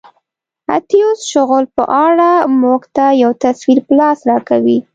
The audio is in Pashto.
اتیوس شغل په اړه موږ ته یو تصویر په لاس راکوي.